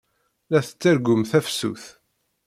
La tettargum tafsut!